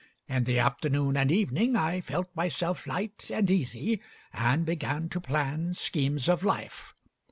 In the afternoon and evening I felt myself light and easy, and began to plan schemes of life.